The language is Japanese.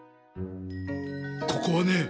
ここはね